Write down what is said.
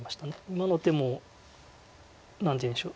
今の手も何というんでしょう。